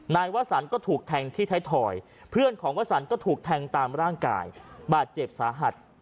นายวสันก็ถูกแทงที่ไทยทอยเพื่อนของวสันก็ถูกแทงตามร่างกายบาดเจ็บสาหัส